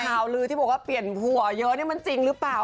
ข่าวลือที่บอกว่าเปลี่ยนหัวเยอะนี่มันจริงหรือเปล่า